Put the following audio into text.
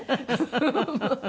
フフフフ！